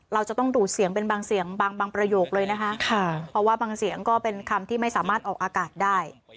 เราจะต้องดูดเสียงเป็นบางเสียงบางประโยคเลยนะคะเพราะว่าบางเสียงก็เป็นคำที่ไม่สามารถออกอากาศได้